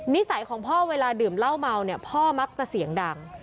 นิสัยของพ่อเวลาดื่มเหล้าเมาเนี่ยพ่อมักจะเสียงดัง